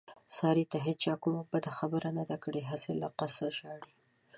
سارې ته هېچا کومه بده خبره نه ده کړې، هسې له قسته ژاړي.